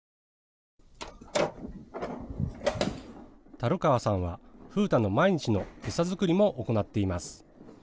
樽川さんは、風太の毎日の餌作りも行っています。